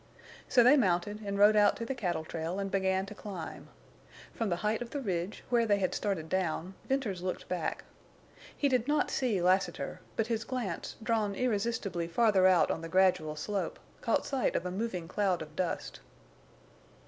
So they mounted and rode out to the cattle trail and began to climb. From the height of the ridge, where they had started down, Venters looked back. He did not see Lassiter, but his glance, drawn irresistibly farther out on the gradual slope, caught sight of a moving cloud of dust.